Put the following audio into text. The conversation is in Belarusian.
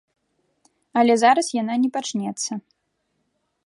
Але зараз яна не пачнецца.